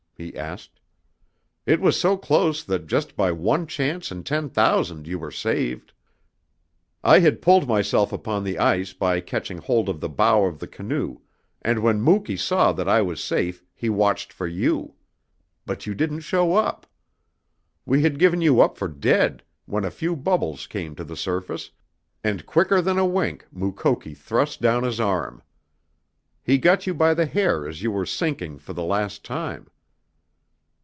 he asked. "It was so close that just by one chance in ten thousand you were saved. I had pulled myself upon the ice by catching hold of the bow of the canoe and when Muky saw that I was safe he watched for you. But you didn't show up. We had given you up for dead when a few bubbles came to the surface, and quicker than a wink Mukoki thrust down his arm. He got you by the hair as you were sinking for the last time.